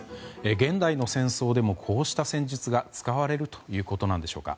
現代の戦争でもこうした戦術が使われるということなんでしょうか。